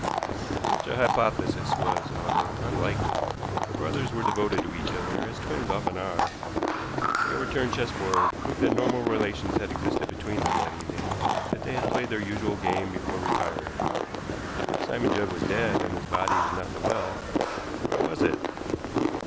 Such an hypothesis was, however, unlikely. The brothers were devoted to each other, as twins often are; the overturned chessboard proved that normal relations had existed between them that evening, that they had played their usual game before retiring. If Simon Judd was dead, and his body was not in the well, where was it?